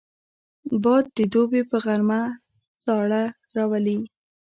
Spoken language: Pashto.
باد د دوبي په غرمه ساړه راولي